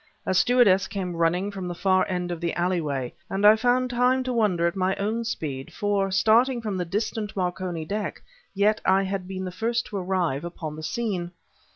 A stewardess came running from the far end of the alleyway, and I found time to wonder at my own speed; for, starting from the distant Marconi deck, yet I had been the first to arrive upon the scene.